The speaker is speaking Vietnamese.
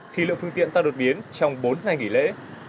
khi lượng phương tiện tăng đột biến trong bốn ngày nghỉ lễ